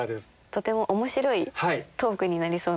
とても面白いトークになりそう。